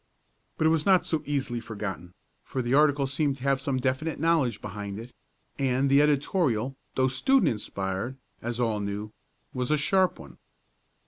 But it was not so easily forgotten, for the article seemed to have some definite knowledge behind it, and the editorial, though student inspired, as all knew, was a sharp one.